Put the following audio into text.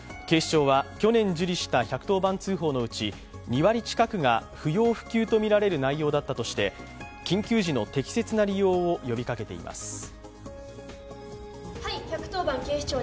警視庁は去年受理した１１０番通報のうち２割近くが不要不急とみられる内容だったとして緊急時の適切な利用を呼びかけています。